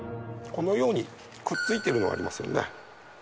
このようにくっついてるのありますよね。